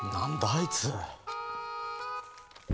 あいつ。